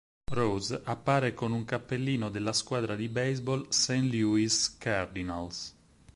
Rose appare con un cappellino della squadra di baseball St. Louis Cardinals.